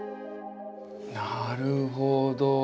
なるほど。